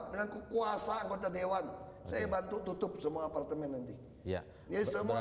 dengan kekuasaan kota dewan saya bantu tutup semua apartemen nanti ya ini semua